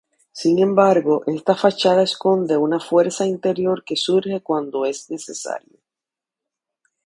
Sin embargo, esta fachada esconde una fuerza interior que surge cuando es necesario.